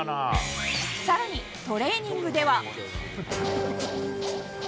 さらに、トレーニングでは。